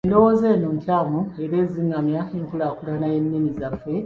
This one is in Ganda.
Endowooza eno nkyamu era ezingamya enkulaakulana y’ennimi zaffe enzaaliranwa.